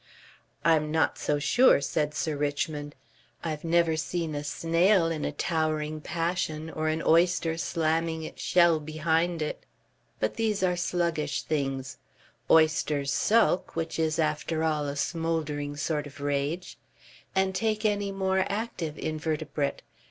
"I'm not so sure," said Sir Richmond. "I've never seen a snail in a towering passion or an oyster slamming its shell behind it. But these are sluggish things. Oysters sulk, which is after all a smouldering sort of rage. And take any more active invertebrate.